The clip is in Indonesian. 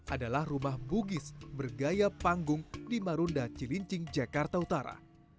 adalah rumah bugis bergaya panggung di marunda cilincing jakarta utara